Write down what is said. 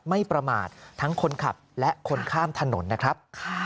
ไม่ประมาททั้งคนขับและคนข้ามถนนนะครับ